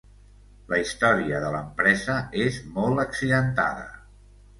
La història de l'empresa és molt accidentada.